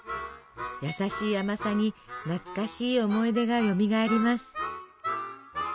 やさしい甘さに懐かしい思い出がよみがえります。